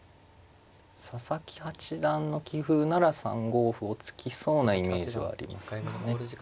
佐々木八段の棋風なら３五歩を突きそうなイメージはありますね。